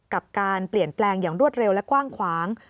กับการเปลี่ยนแปลงอย่างรวดเร็วและกว้างขวาง